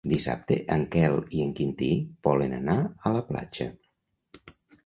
Dissabte en Quel i en Quintí volen anar a la platja.